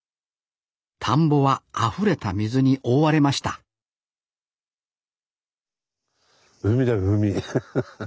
田んぼはあふれた水に覆われました海だよ海。